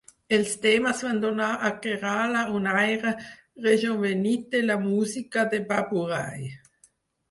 Els temes van donar a Kerala un aire rejovenit de la música de Baburaj.